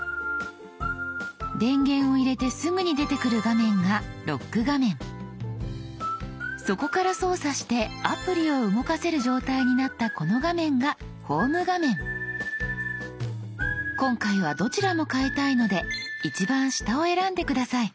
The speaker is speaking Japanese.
電源を入れてすぐに出てくる画面がそこから操作してアプリを動かせる状態になったこの画面が今回はどちらも変えたいので一番下を選んで下さい。